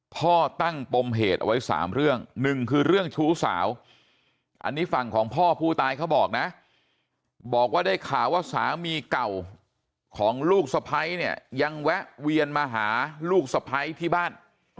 พ่อตั้งปมเหตุเอาไว้๓เรื่องหนึ่งคือเรื่องชู้สาวอันนี้ฝั่งของพ่อผู้ตายเขาบอกนะบอกว่าได้ข่าวว่าสามีเก่าของลูกสะพ้ายเนี่ยยังแวะเวียนมาหาลูกสะพ้ายที่บ้าน